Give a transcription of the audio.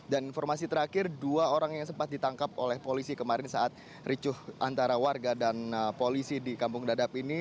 dan informasi terakhir dua orang yang sempat ditangkap oleh polisi kemarin saat ricuh antara warga dan polisi di kampung dadap ini